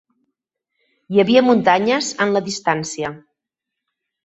Hi havia muntanyes en la distància.